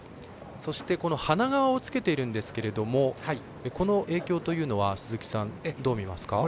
そして鼻革をつけているんですがこの影響というのは鈴木さん、どう見ますか？